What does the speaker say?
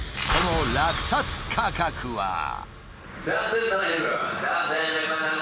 その落札価格は。